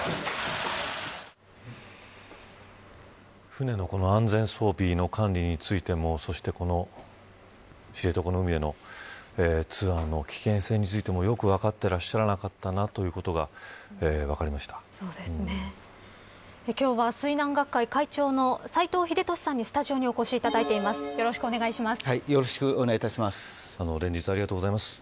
船のこの安全装備の管理についてもそして、この知床の海でのツアーの危険性についてもよく分かっていらっしゃらなかったなということが今日は水難学会会長の斎藤秀俊さんにスタジオにお越しいただいて連日、ありがとうございます。